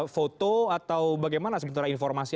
foto atau bagaimana sementara informasi